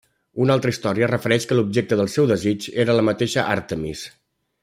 Una altra història refereix que l'objecte del seu desig era la mateixa Àrtemis.